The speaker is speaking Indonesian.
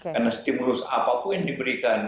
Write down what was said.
karena stimulus apapun yang diberikan